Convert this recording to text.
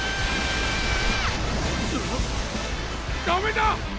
ダメだ！